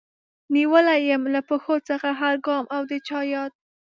نيولی يم له پښو څخه هر ګام او د چا ياد